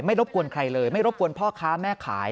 รบกวนใครเลยไม่รบกวนพ่อค้าแม่ขาย